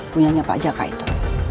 punyanya pak jaka itu